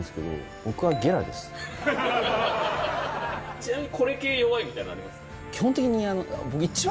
ちなみに。